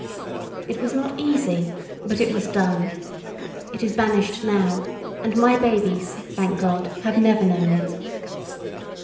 It was not easy, but it was done. It is banished now, and my babies, thank God, never have known it.